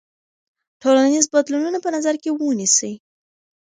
ټولنیز بدلونونه په نظر کې ونیسئ.